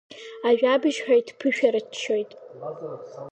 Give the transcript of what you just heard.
Ажәабжьҳәаҩ дԥышәарччоит.